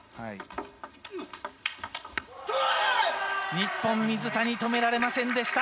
日本、水谷、止められませんでした。